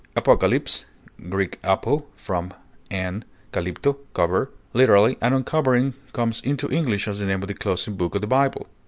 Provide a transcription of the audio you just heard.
Apocalypse (Gr. apo, from, and kalypto, cover), literally an uncovering, comes into English as the name of the closing book of the Bible.